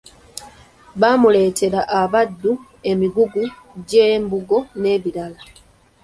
Bamuleetera abaddu, emigugu gy’embugo n’ebirala.